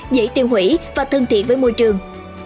dễ tiêu hủy và thân thiện với môi trường